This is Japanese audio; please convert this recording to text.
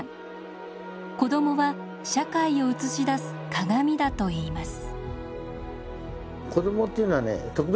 子どもは社会を映し出す鏡だといいます。